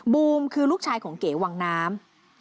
บูมคือลูกชายของเก๋วังน้ำ